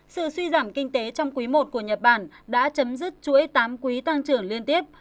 sự suy giảm kinh tế trong quý i của nhật bản đã chấm dứt chuỗi tám quý tăng trưởng liên tiếp